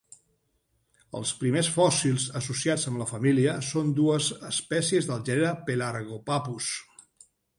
Els primers fòssils associats amb la família són dues espècies del gènere "Pelargopappus".